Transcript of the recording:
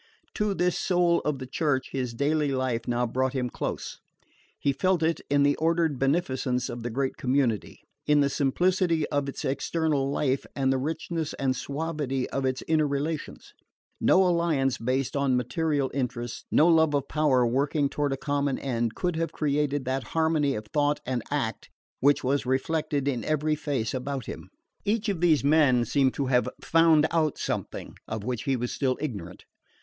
To this soul of the Church his daily life now brought him close. He felt it in the ordered beneficence of the great community, in the simplicity of its external life and the richness and suavity of its inner relations. No alliance based on material interests, no love of power working toward a common end, could have created that harmony of thought and act which was reflected in every face about him. Each of these men seemed to have FOUND OUT SOMETHING of which he was still ignorant.